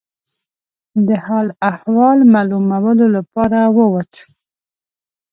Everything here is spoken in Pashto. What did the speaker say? د حال احوال معلومولو لپاره ووت.